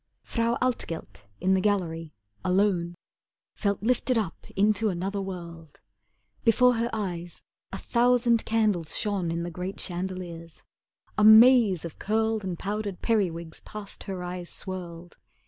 Frau Altgelt in the gallery, alone, Felt lifted up into another world. Before her eyes a thousand candles shone In the great chandeliers. A maze of curled And powdered periwigs past her eyes swirled.